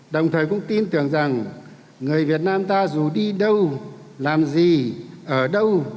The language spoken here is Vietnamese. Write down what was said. đồng thời cũng tin tưởng rằng người việt nam ta dù đi đâu làm gì ở đâu